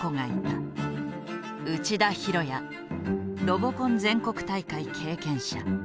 内田博也ロボコン全国大会経験者。